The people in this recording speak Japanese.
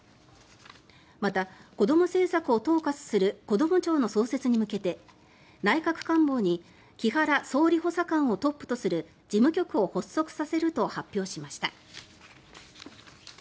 また、子ども政策を統括するこども庁の創設に向けて内閣官房に木原総理補佐官をトップとする事務局を発足させると発表しました。